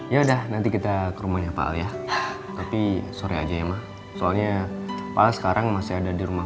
ya udah nanti kita ke rumahnya pak al ya tapi sore aja ya pak soalnya pak al sekarang masih ada di rumah